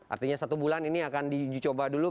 artinya satu bulan ini akan di uji coba dulu